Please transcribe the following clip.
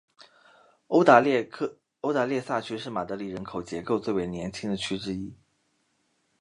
欧达列萨区是马德里人口结构最为年轻的区之一。